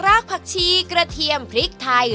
กผักชีกระเทียมพริกไทย